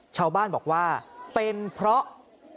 ชาวบ้านบอกว่าเป็นเพราะ